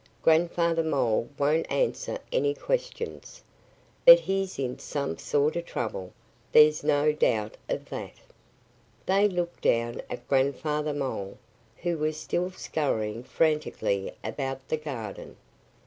"Grandfather Mole won't answer any questions. But he's in some sort of trouble. There's no doubt of that." They looked down at Grandfather Mole, who was still scurrying frantically about the garden.